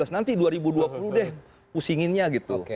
nanti dua ribu dua puluh deh pusinginnya gitu